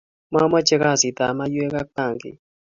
mamche kasit ab maiyek ak bangi